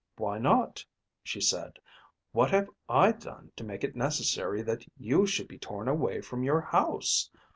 "Why not?" she said. "What have I done to make it necessary that you should be torn away from your house?